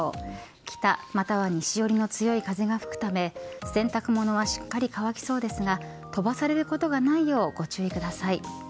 北または西寄りの強い風が吹くため洗濯物はしっかり乾きそうですが飛ばされることがないようご注意ください。